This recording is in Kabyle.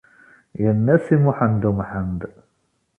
Yenna Si Muḥ u Mḥend.